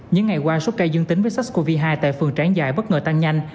những ngày qua số cây dương tính với sars cov hai tại phường tráng dài bất ngờ tăng nhanh